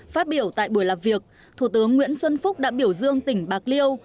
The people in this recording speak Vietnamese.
phát biểu tại buổi làm việc thủ tướng nguyễn xuân phúc đã biểu dương tỉnh bạc liêu